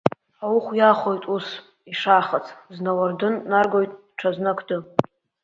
Ауӷә иахоит ус, ишахац, зны ауардын наргоит, ҽазны ақды.